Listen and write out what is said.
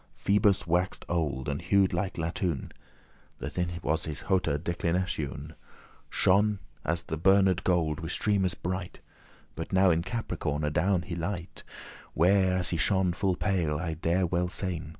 Phoebus wax'd old, and hued like latoun,* *brass That in his hote declinatioun Shone as the burned gold, with streames* bright; *beams But now in Capricorn adown he light, Where as he shone full pale, I dare well sayn.